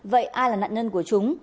vậy ai là nạn nhân của chúng